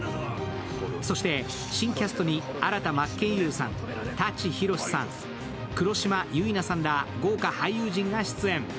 そして新キャストに新田真剣佑さん、舘ひろしさん、黒島結菜さんら豪華俳優陣が出演。